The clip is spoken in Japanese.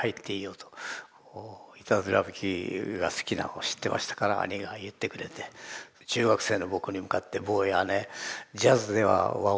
いたずら弾きが好きなのを知ってましたから兄が言ってくれて中学生の僕に向かって「坊やねジャズでは和音のことをね